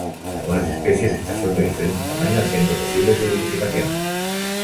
En algunas especies estas son de diferente tamaño haciendo posible su identificación.